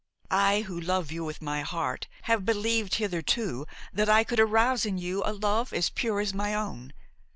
I, who love you with my heart, have believed hitherto that I could arouse in you a love as pure as my own.